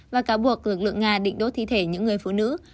và cáo buộc lực lượng nga định đốt thi thể những người phụ nữ